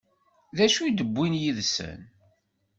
D acu i d-wwin yid-sen?